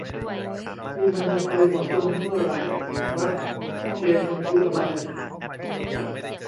นี่มันจะไปหมดลงเมื่อไหร่เหรอครับ เกณฑ์มันคืออะไร